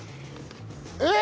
えっ？